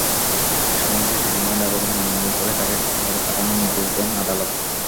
শুনানি শেষে রিমান্ড আবেদন নামঞ্জুর করে তাঁকে কারাগারে পাঠানোর নির্দেশ দেন আদালত।